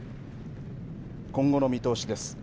今後の見通しです。